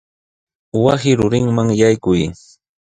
Wasi rurinman yaykuy.